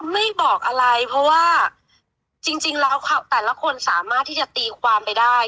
ไม่บอกอะไรเพราะว่าจริงแล้วแต่ละคนสามารถที่จะตีความไปได้